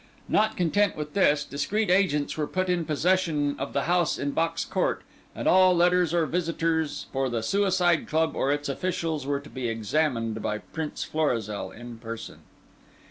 Not content with this, discreet agents were put in possession of the house in Box Court, and all letters or visitors for the Suicide Club or its officials were to be examined by Prince Florizel in person.